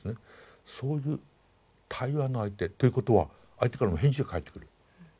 そういう対話の相手。ということは相手からの返事が返ってくる。